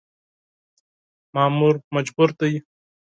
مامور مجبور دی .